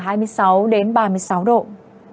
tầm nhìn xa giảm xuống từ bốn năm km trong mưa